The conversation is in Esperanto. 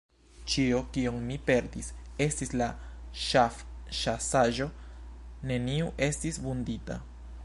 Ĉio kion ni perdis, estis la ŝafĉasaĵo; neniu estis vundita.